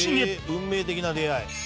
「運命的な出会い」